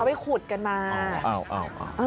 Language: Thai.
เขาไปขุดกันมา